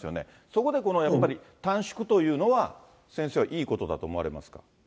そこでこのやっぱり、短縮というのは、先生はいいことだと思われますか。